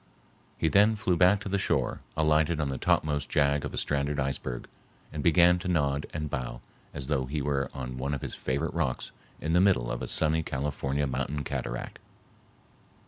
He then flew back to the shore, alighted on the topmost jag of a stranded iceberg, and began to nod and bow as though he were on one of his favorite rocks in the middle of a sunny California mountain cataract.